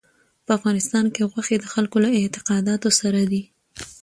په افغانستان کې غوښې د خلکو له اعتقاداتو سره دي.